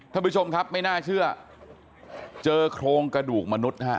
ท่านผู้ชมครับไม่น่าเชื่อเจอโครงกระดูกมนุษย์นะฮะ